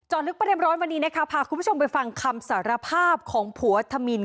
ลึกประเด็นร้อนวันนี้นะคะพาคุณผู้ชมไปฟังคำสารภาพของผัวธมิน